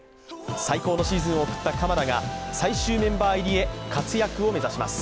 最高のシーズンを送った鎌田が最終メンバー入りへ活躍を目指します。